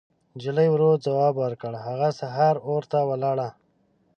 نجلۍ ورو ځواب ورکړ: هغه سهار اور ته ولاړه.